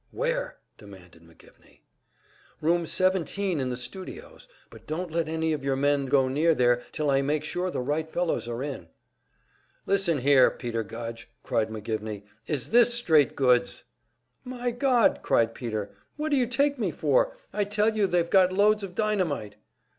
"Where?" demanded McGivney. "Room seventeen in the studios; but don't let any of your men go near there, till I make sure the right fellows are in." "Listen here, Peter Gudge!" cried McGivney. "Is this straight goods?" "My God!" cried Peter. "What do you take me for? I tell you they've got loads of dynamite."